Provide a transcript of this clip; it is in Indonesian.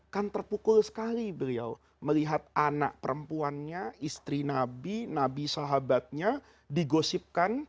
kan terpukul sekali beliau melihat anak perempuannya istri nabi nabi sahabatnya digosipkan